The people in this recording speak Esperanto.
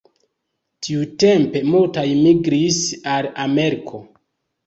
Tiutempe multaj migris al Ameriko.